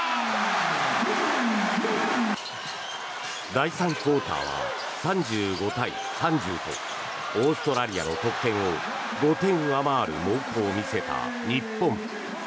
第３クオーターは３５対３０とオーストラリアの得点を５点上回る猛攻を見せた日本。